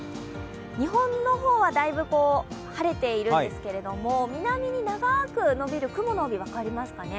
日本の方はだいぶ晴れてるんですけど、南のほうに伸びる雲の帯、分かりますか。